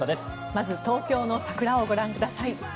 まず東京の桜をご覧ください。